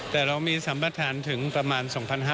แต่เรามีสัมประธานถึงประมาณ๒๕๕๙